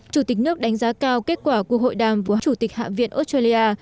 chủ tịch nước đánh giá cao kết quả cuộc hội đàm của chủ tịch hạ viện australia